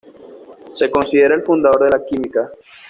Se considera el fundador de la química.